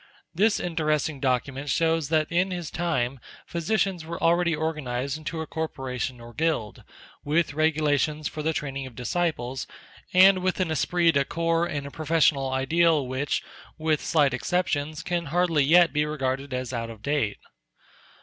This interesting document shows that in his time physicians were already organized into a corporation or guild, with regulations for the training of disciples, and with an esprit de corps and a professional ideal which, with slight exceptions, can hardly yet be regarded as out of date.